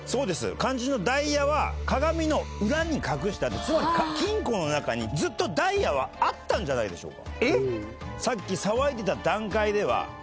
肝心のダイヤは鏡の裏に隠してあってつまり金庫の中にずっとダイヤはあったんじゃないでしょうか。